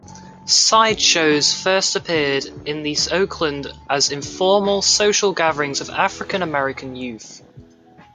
Sideshows first appeared in Oakland as informal social gatherings of African-American youth.